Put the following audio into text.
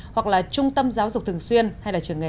hoặc là trung tâm giáo dục thường xuyên hay là trường nghề